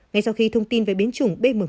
ngay sau khi thông tin về biến chủng b một một